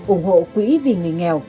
ủng hộ quỹ vì người nghèo